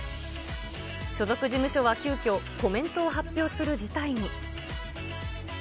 所属事務所は急きょ、コメントを発表する事態に。